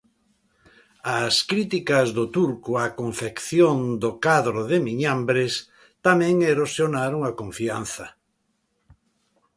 As críticas do turco á confección do cadro de Miñambres tamén erosionaron a confianza.